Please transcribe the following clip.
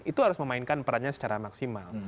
itu harus memainkan perannya secara maksimal